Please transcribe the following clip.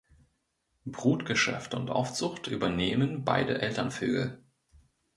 Brutgeschäft und Aufzucht übernehmen beide Elternvögel.